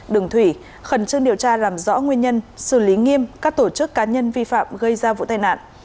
đường thủy khẩn trương điều tra làm rõ nguyên nhân xử lý nghiêm các tổ chức cá nhân vi phạm gây ra vụ tai nạn